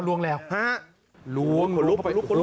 หลวงหลุบ